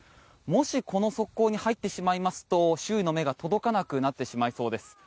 もしこの側溝に入ってしまいますと周囲の目が届かなくなってしまいそうです。